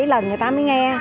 bảy lần người ta mới nghe